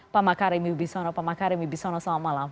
pak makarimi bisono pak makarimi bisono selamat malam